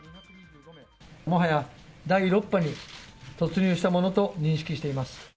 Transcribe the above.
もはや、第６波に突入したものと認識しています。